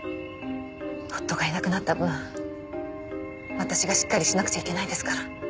夫がいなくなった分私がしっかりしなくちゃいけないですから。